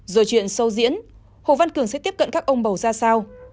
rồi chuyện sâu diễn hồ văn cường sẽ tiếp cận các ông bầu ra sao